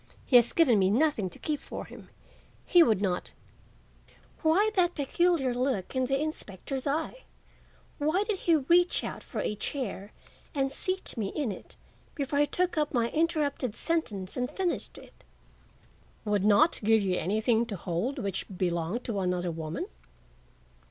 "He has given me nothing to keep for him. He would not—" Why that peculiar look in the inspector's eye? Why did he reach out for a chair and seat me in it before he took up my interrupted sentence and finished it? "—would not give you anything to hold which had belonged to another woman?